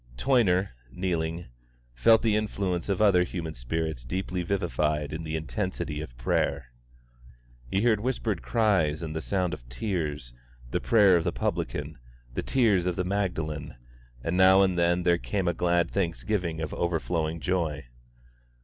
Toyner, kneeling, felt the influence of other human spirits deeply vivified in the intensity of prayer. He heard whispered cries and the sound of tears, the prayer of the publican, the tears of the Magdalene, and now and then there came a glad thanksgiving of overflowing joy.